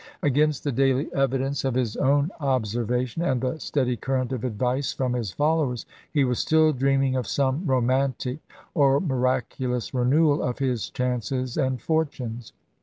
Against the daily evidence of his own observation and the steady current of advice from his followers, he was still dreaming of some romantic or miraculous re newal of his chances and fortunes.